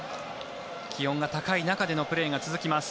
気温が高い中でのプレーが続きます。